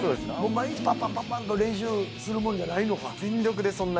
毎日パンパンと練習するもんじゃないのか？